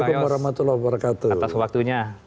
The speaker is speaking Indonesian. terima kasih bang yo atas waktunya